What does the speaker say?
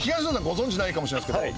ご存じないかもしれないですけど